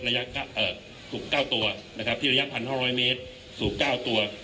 ระยะเอ่อสูบเก้าตัวนะครับที่ระยะพันห้าร้อยเมตรสูบเก้าตัว